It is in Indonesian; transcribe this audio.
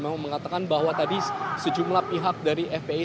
memang mengatakan bahwa tadi sejumlah pihak dari fpi